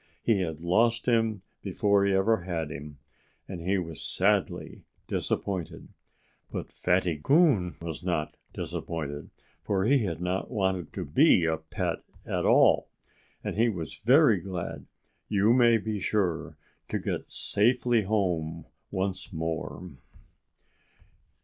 He had lost him before he ever had him. And he was sadly disappointed. But Fatty Coon was not disappointed, for he had not wanted to be a pet at all. And he was very glad you may be sure to get safely home once more.